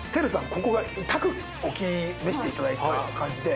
ここがお気に召していただいた感じで。